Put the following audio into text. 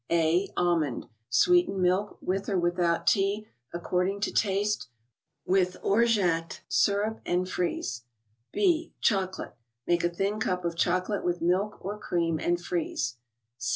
A.— Almond : sweeten milk, with or without tea, according to taste, with Orgeat syrup, and freeze. B.— Chocolate : Make a thin cup of chocolate with milk or cream and freeze.